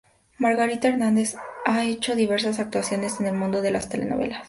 Margarita Hernández ha hecho diversas actuaciones en el mundo de las telenovelas.